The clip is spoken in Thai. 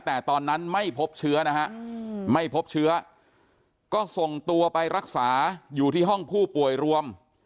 แต่ตอนนั้นไม่พบเชื้อนะฮะไม่พบเชื้อก็ส่งตัวไปรักษาอยู่ที่ห้องผู้ป่วยรวม